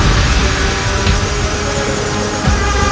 kau tak bisa menyembuhkan